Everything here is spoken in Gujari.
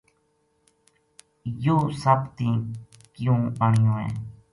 یوہ سپ تیں کیوں آنیو ہے